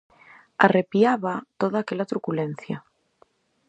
Arrepiábaa toda aquela truculencia.